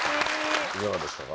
いかがでしたか？